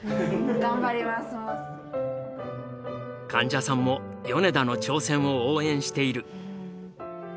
患者さんも米田の挑戦を応援している。